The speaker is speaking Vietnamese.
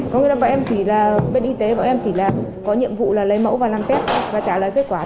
có nghĩa là bọn em chỉ là bên y tế bọn em chỉ là có nhiệm vụ là lấy mẫu và làm tết và trả lời kết quả